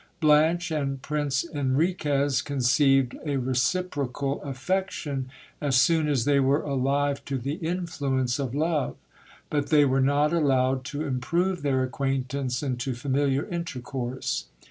Blanche and Prince Enriquez conceived a reciprocal affection as soon as they were alive to the influence of love : but they were not allowed to improve their acquaintance into familiar intercourse.